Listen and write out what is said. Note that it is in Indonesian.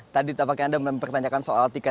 tadi tampaknya anda mempertanyakan soal tiket